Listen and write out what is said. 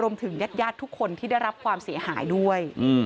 รวมถึงแยดทุกคนที่ได้รับความเสียหายด้วย